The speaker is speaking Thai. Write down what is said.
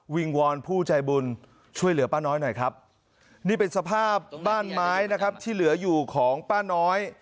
วอนผู้ใจบุญช่วยเหลือป้าน้อยหน่อยครับนี่เป็นสภาพบ้านไม้นะครับที่เหลืออยู่ของป้าน้อย